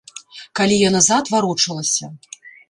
Калі я назад варочалася.